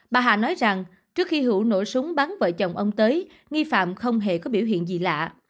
bà hà nói rằng trước khi hữu nổ súng bắn vợ chồng ông tới nghi phạm không hề có biểu hiện gì lạ